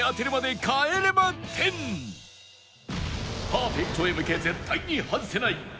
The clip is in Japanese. パーフェクトへ向け絶対に外せない